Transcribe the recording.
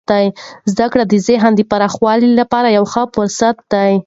زده کړه د ذهن د پراخوالي لپاره یو ښه فرصت دی.